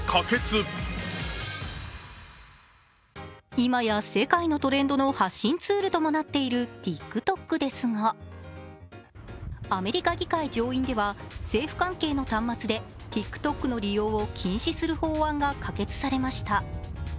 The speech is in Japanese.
今や世界のトレンドの発信つーるともなっているＴｉｋＴｏｋですがアメリカ議会上院では政府関係の端末でＴｉｋＴｏｋの利用を禁止する法案が可決されました。